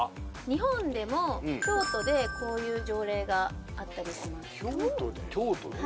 日本でも京都でこういう条例があったりします京都で？